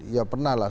ya pernah lah